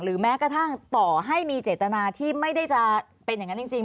แม้กระทั่งต่อให้มีเจตนาที่ไม่ได้จะเป็นอย่างนั้นจริง